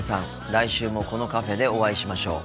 来週もこのカフェでお会いしましょう。